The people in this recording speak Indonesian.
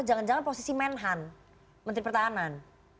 jangan jangan posisi menhan menteri pertahanan